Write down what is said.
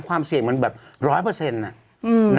ความเสี่ยงมันแบบ๑๐๐